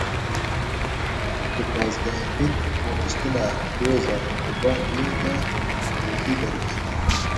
Di panzdehemîn rûniştina Doza Kobaniyê de alozî derket.